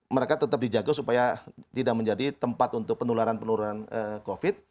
mereka tetap dijaga supaya tidak menjadi tempat untuk penularan penularan covid